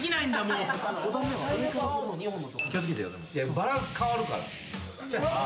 バランスかわるから。